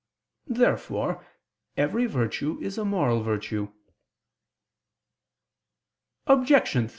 Therefore every virtue is a moral virtue.